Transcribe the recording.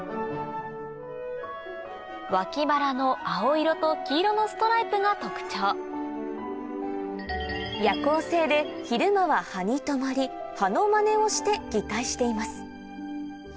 脇腹の青色と黄色のストライプが特徴夜行性で昼間は葉に止まり葉のマネをして擬態しています